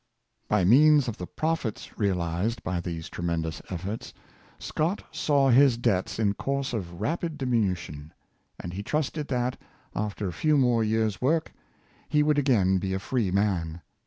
" By means of the profits realized by these tremen dous efforts, Scott saw his debts in course of rapid diminution, and he trusted that, after a few more years' work, he would again be a free man.